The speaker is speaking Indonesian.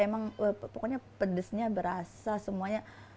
emang pokoknya pedesnya berasa semuanya